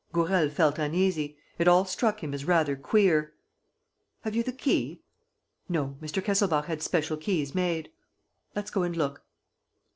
Gourel felt uneasy. It all struck him as rather queer. "Have you the key?" "No. Mr. Kesselbach had special keys made." "Let's go and look."